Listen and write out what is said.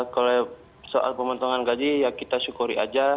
kalau soal pemotongan gaji kita syukuri saja